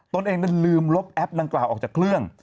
ตนเองนั้นลืมลบแอปดังกล่าวออกจากเครื่อง